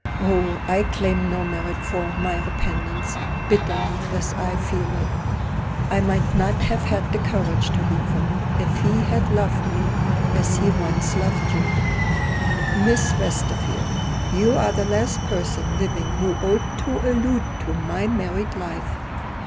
Oh, I claim no merit for my repentance, bitterly as I feel it! I might not have had the courage to leave him if he had loved me as he once loved you." "Miss Westerfield, you are the last person living who ought to allude to my married life."